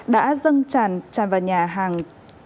đã dâng tràn vào nhà hàng